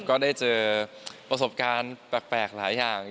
ก็ได้เจอประสบการณ์แปลกหลายอย่าง